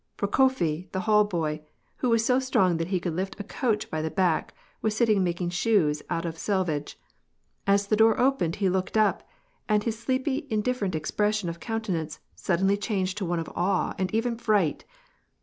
Prokofi, the hall boy, who was so strong that he could lift a coach by the back, was sitting making shoes out of selvage. As the door opened he looked up, and his sleepy, indifferent expression of countenance suddenly changed to one of awe and eve fright.